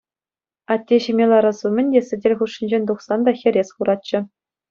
Атте ҫиме ларас умӗн те, сӗтел хушшинчен тухсан та хӗрес хуратчӗ.